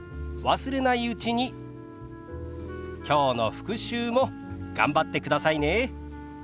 忘れないうちにきょうの復習も頑張ってくださいね。